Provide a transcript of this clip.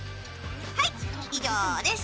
はい以上です。